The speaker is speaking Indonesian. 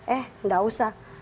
eh gak usah